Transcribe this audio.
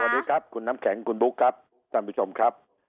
สวัสดีครับคุณน้ำแข็งคุณบุ๊คครับท่านผู้ชมครับ